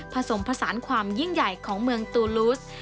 ผสมผสานความยิ่งใหญ่ของเมืองตูลูส